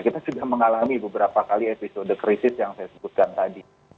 kita sudah mengalami beberapa kali episode krisis yang saya sebutkan tadi